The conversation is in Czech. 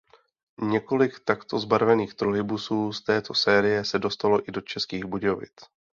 Několik takto zbarvených trolejbusů z této série se dostalo i do Českých Budějovic.